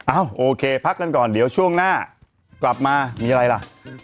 โอเคพักกันก่อนเดี๋ยวช่วงหน้ากลับมามีอะไรล่ะ